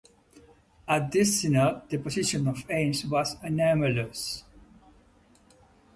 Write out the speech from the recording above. At this synod the position of Ames was anomalous.